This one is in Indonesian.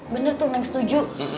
bener tuh neng setuju